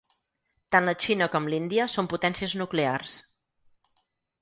Tant la Xina com l’Índia són potències nuclears.